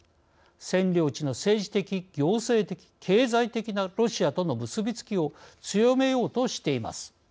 占領地の政治的、行政的経済的なロシアとの結びつきを強めようとしています。